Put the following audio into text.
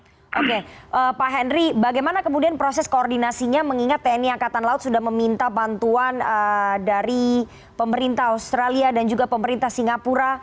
oke pak henry bagaimana kemudian proses koordinasinya mengingat tni angkatan laut sudah meminta bantuan dari pemerintah australia dan juga pemerintah singapura